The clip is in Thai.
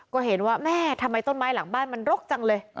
ก็เห็นว่าแม่ทำไมต้นไม้หลังบ้านมันรกจังเลย